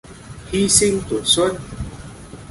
Hi sinh tuổi xuân